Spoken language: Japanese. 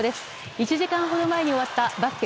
１時間ほど前に終わったバスケ